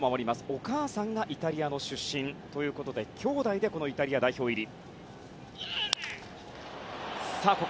お母さんがイタリアの出身ということで兄弟でイタリア代表入り。